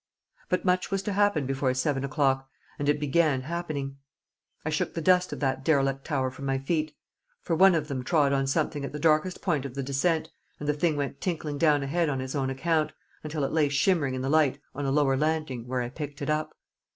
But much was to happen before seven o'clock, and it began happening. I shook the dust of that derelict tower from my feet; for one of them trod on something at the darkest point of the descent; and the thing went tinkling down ahead on its own account, until it lay shimmering in the light on a lower landing, where I picked it up.